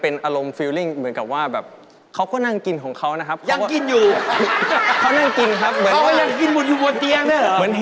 นะสมชาญมากพ่อไทยคนนี้